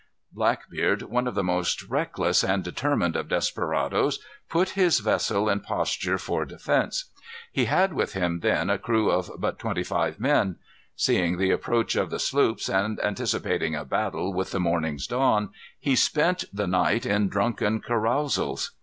Blackbeard, one of the most reckless and determined of desperadoes, put his vessel in posture for defence. He had with him then a crew of but twenty five men. Seeing the approach of the sloops, and anticipating a battle with the morning's dawn, he spent the night in drunken carousals.